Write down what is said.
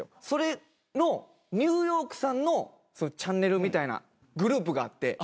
それのニューヨークさんのチャンネルみたいなグループがあって。